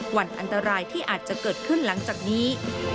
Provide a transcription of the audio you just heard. วันอันตรายที่อาจจะเกิดขึ้นหลังจากนี้